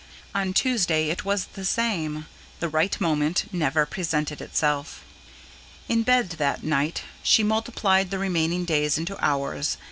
On Tuesday it was the same; the right moment never presented itself. In bed that night she multiplied the remaining days into hours.